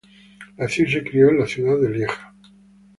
Nació y se crio en la ciudad de Lieja.